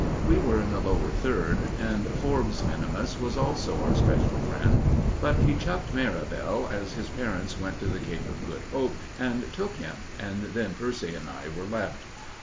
We were in the Lower Third; and Forbes minimus was also our special friend. But he chucked Merivale, as his parents went to the Cape of Good Hope and took him, and then Percy and I were left.